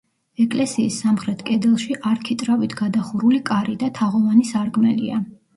ეკლესიის სამხრეთ კედელში არქიტრავით გადახურული კარი და თაღოვანი სარკმელია.